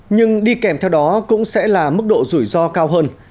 nhưng đi kèm theo đó cũng sẽ là mức độ rủi ro cao hơn